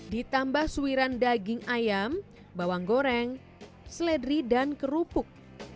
ditambah suiran daging ayam bawang goreng seledri dan kerupuk